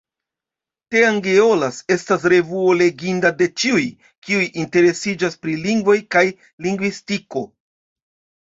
Teangeolas estas revuo leginda de ĉiuj, kiuj interesiĝas pri lingvoj kaj lingvistiko.